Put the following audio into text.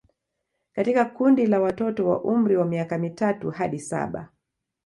Katika kundi la watoto wa umri wa miaka mitatu hadi saba